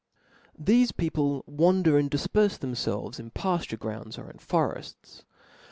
Thefe people v/ander and difpcrfe themfelves in pafture grounds or in forefts.